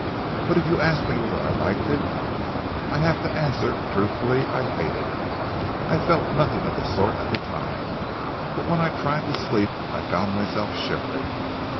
But if you ask me whether I liked it, and I have to answer truthfully, I hated it! I felt nothing of the sort at the time, but when I tried to sleep I found myself shivering.